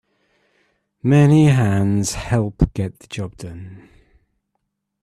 Many hands help get the job done.